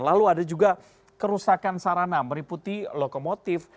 lalu ada juga kerusakan sarana meriputi lokomotif